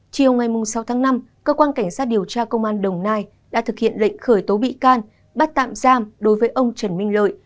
chiều ngày sáu tháng năm cơ quan cảnh sát điều tra công an đồng nai đã thực hiện lệnh khởi tố bị can bắt tạm giam đối với ông trần minh lợi